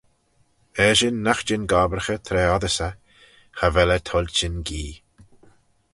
Eshyn nagh jean gobbraghey tra oddys eh, cha vel eh toilçhin gee.